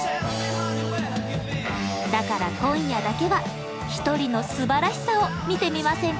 だから今夜だけはひとりのすばらしさを見てみませんか？